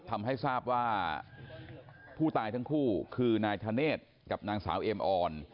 ทำให้ทราบว่าผู้ตายทั้งคู่คือนายธเนธกับนางสาวเอมออน